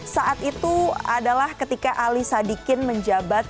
saat itu adalah ketika ali sadikin menjabat